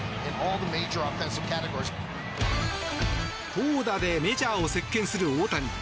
投打でメジャーを席巻する大谷。